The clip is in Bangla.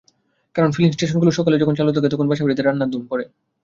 কারণ, ফিলিং স্টেশনগুলো সকালে যখন চালু থাকে, তখন বাসাবাড়িতে রান্নার ধুম পড়ে।